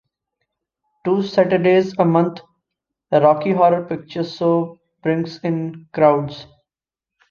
Two Saturdays a month, Rocky Horror Picture Show brings in crowds.